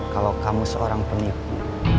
kalau kamu seorang penipu